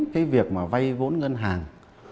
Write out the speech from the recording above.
cái việc mà vay vốn ngân hàng